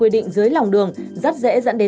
điểm chỉ chỗ này nhé